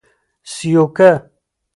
سیوکه: